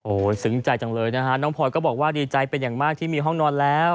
โอ้โหซึ้งใจจังเลยนะฮะน้องพลอยก็บอกว่าดีใจเป็นอย่างมากที่มีห้องนอนแล้ว